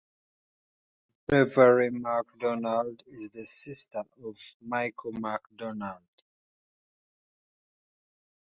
Beverly McDonald is the sister of Michael McDonald.